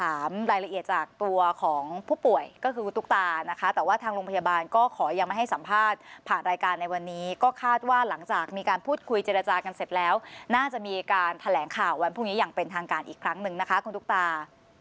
สัมภาษณ์ผ่านรายการในวันนี้ก็คาดว่าหลังจากมีการพูดคุยเจรจากันเสร็จแล้วน่าจะมีการแถลงข่าววันพรุ่งนี้อย่างเป็นทางการอีกครั้งหนึ่งนะคะคุณตุ๊กตา